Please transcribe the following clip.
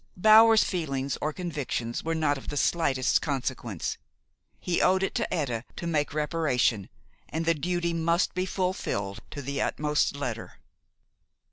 Bower's feelings or convictions were not of the slightest consequence. He owed it to Etta to make reparation, and the duty must be fulfilled to the utmost letter.